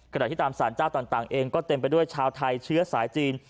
ขณะที่ตามสารเจ้าต่างเองก็เต็มไปด้วยชาวไทยเชื้อสายจีน